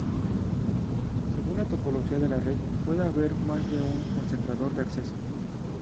Según la topología de la red, puede haber más de un Concentrador de Acceso.